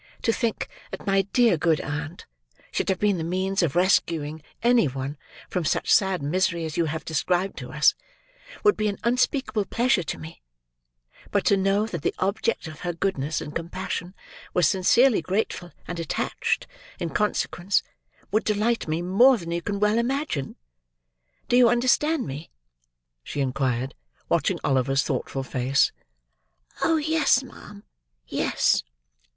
"To think that my dear good aunt should have been the means of rescuing any one from such sad misery as you have described to us, would be an unspeakable pleasure to me; but to know that the object of her goodness and compassion was sincerely grateful and attached, in consequence, would delight me, more than you can well imagine. Do you understand me?" she inquired, watching Oliver's thoughtful face. "Oh yes, ma'am, yes!"